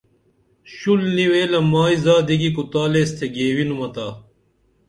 شُل نی ویلہ مائی زادی گی کُتالیس تے گیوِنُمتا